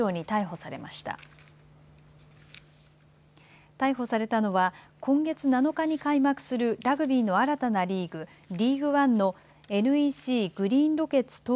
逮捕されたのは今月７日に開幕するラグビーの新たなリーグリーグワンのＮＥＣグリーンロケッツ